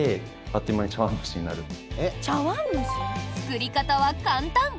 作り方は簡単。